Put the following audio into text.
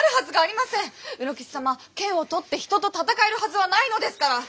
卯之吉様は剣を取って人と戦えるはずはないのですから！